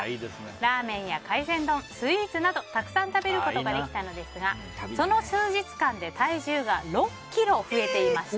ラーメンや海鮮丼、スイーツなどたくさん食べることができたのですがその数日間で体重が６ｋｇ増えていました。